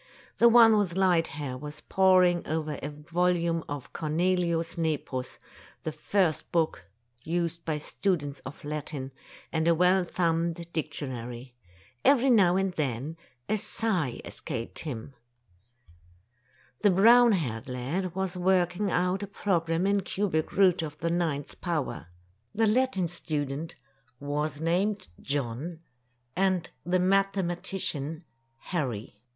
The one with light hair was poring over a volume of Cornelius Nepos, the first book used by students of Latin, and a well thumbed dictionary. Every now and then, a sigh escaped him. 38 Tales of Modern Germany The brown haired lad was working out a problem in cubic root of the ninth power. The Latin student was named John, and the mathematician, Harry.